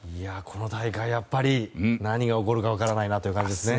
この大会、やっぱり何が起こるか分からないなという感じですね。